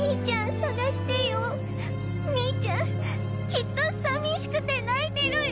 捜してミーちゃんきっと寂しくて泣いてるよ